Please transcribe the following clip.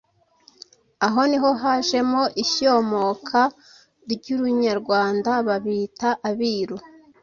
aho niho hajemo ishyomoka ry’Urunyarwanda babita “Abiru “